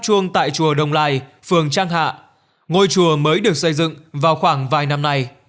chuông tại chùa đông lai phường trang hạ ngôi chùa mới được xây dựng vào khoảng vài năm nay